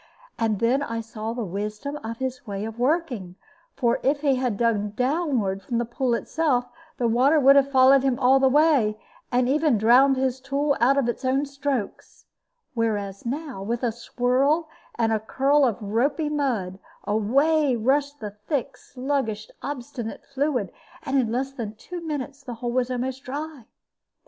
And then I saw the wisdom of his way of working: for if he had dug downward from the pool itself, the water would have followed him all the way, and even drowned his tool out of its own strokes; whereas now, with a swirl and a curl of ropy mud, away rushed the thick, sluggish, obstinate fluid, and in less than two minutes the hole was almost dry.